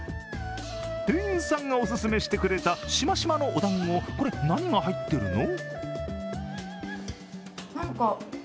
店員さんがお勧めしてくれたシマシマのお団子これ、何が入っているの？